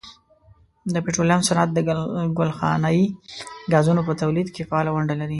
د پټرولیم صنعت د ګلخانهیي ګازونو په تولید کې فعاله ونډه لري.